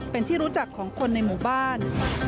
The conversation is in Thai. เป็นที่รู้จักของคนในหมู่บ้าน